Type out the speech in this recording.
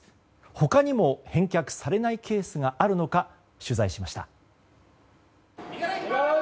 他にも返却されないケースがあるのか取材しました。